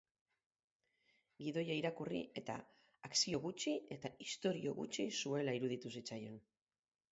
Gidoia irakurri eta akzio gutxi eta istorio gutxi zuela iruditu zitzaion.